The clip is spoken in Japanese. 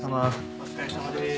お疲れさまです。